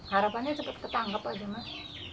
harapannya cepat ketangkep aja mas